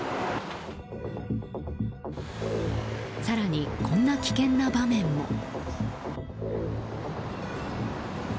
更に、こんな危険な場面も。